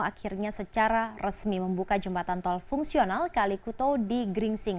akhirnya secara resmi membuka jembatan tol fungsional kalikuto di gringsing